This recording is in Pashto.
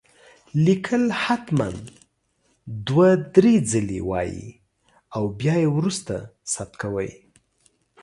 ليکل هتمن دوه دري ځلي وايي او بيا يي وروسته ثبت کوئ